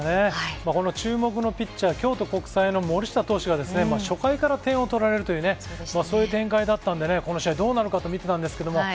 注目のピッチャー、京都国際の森下投手が、初回から点を取られるという、そういう展開だったのでこの試合どうなのかと見てました。